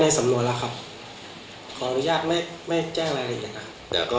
ไม่สำรวจแล้วครับขออนุญาตไม่แจ้งอะไรอะไรอย่างนั้นครับ